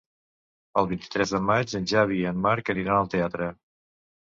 El vint-i-tres de maig en Xavi i en Marc aniran al teatre.